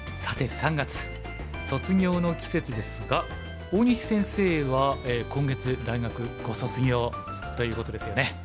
さて３月卒業の季節ですが大西先生は今月大学ご卒業ということですよね。